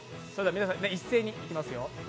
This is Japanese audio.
皆さん、一斉にいきますよ。